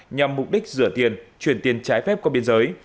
nhằm mục đích rửa tiền chuyển tiền trái phép qua biên giới